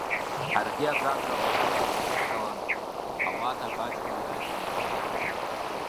Ҳаргьы аӡәаӡәала уи ҳнеишьҭалан, ауада Баџьгәа иааизынхент.